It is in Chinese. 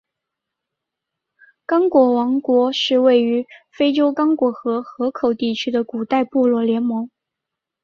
刚果王国是位于非洲刚果河河口地区的古代部落联盟。